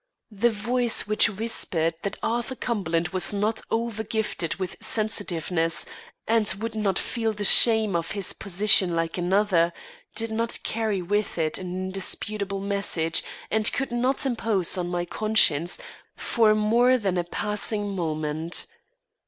The voice which whispered that Arthur Cumberland was not over gifted with sensitiveness and would not feel the shame of his position like another, did not carry with it an indisputable message, and could not impose on my conscience for more than a passing moment.